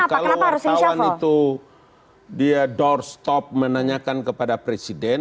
kalau wartawan itu dia doorstop menanyakan kepada presiden